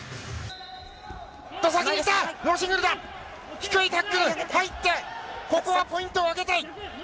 低いタックル、入ってここはポイントを挙げたい。